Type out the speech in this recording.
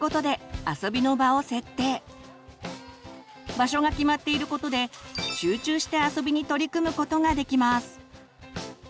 場所が決まっていることで集中して遊びに取り組むことができます。